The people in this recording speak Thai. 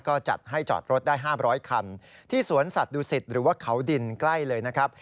ก็จัดให้จอดรถได้๕๐๐คันที่สวนสัตว์ดูสิตหรือว่าเขาดินใกล้เลยนะครับ